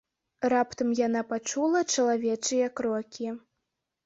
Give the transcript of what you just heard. Раптам яна пачула чалавечыя крокі.